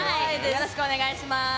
よろしくお願いします。